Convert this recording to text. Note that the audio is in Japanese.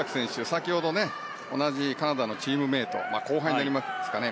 先ほど同じカナダのチームメート後輩になりますかね